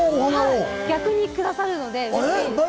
逆にくださるんで。